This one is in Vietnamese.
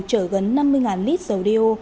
chở gần năm mươi lít dầu đeo